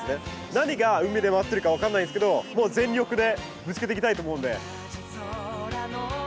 何が海で待ってるか分からないですけど全力でぶつけていきたいと思うので。